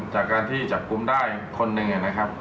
จากการที่จับกุมได้คนหนึ่ง